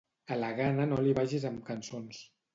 A la gana no li vagis amb cançons.